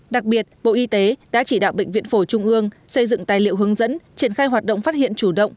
đặc biệt bộ y tế đã chỉ đạo bệnh viện phổi trung ương xây dựng tài liệu hướng dẫn triển khai hoạt động phát hiện chủ động